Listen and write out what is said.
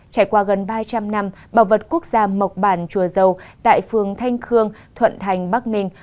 trải qua gần ba trăm linh năm bảo vật quốc gia mộc bản chùa tại phường thanh khương thuận thành bắc ninh